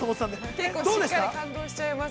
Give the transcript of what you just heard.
◆結構しっかり感動しちゃいます。